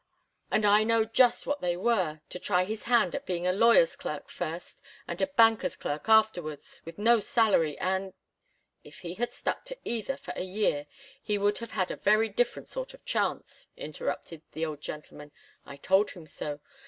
And I know just what they were to try his hand at being a lawyer's clerk first, and a banker's clerk afterwards, with no salary and " "If he had stuck to either for a year he would have had a very different sort of chance," interrupted the old gentleman. "I told him so.